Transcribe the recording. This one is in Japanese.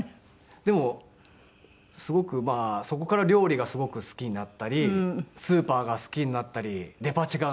でもすごくそこから料理がすごく好きになったりスーパーが好きになったりデパ地下が好きになったり。